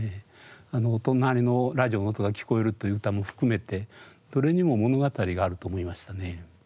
お隣のラジオの音が聞こえるという歌も含めてどれにも物語があると思いましたね。